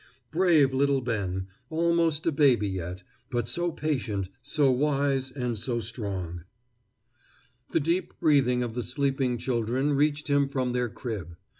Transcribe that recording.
Brave little Ben, almost a baby yet, but so patient, so wise, and so strong! The deep breathing of the sleeping children reached him from their crib.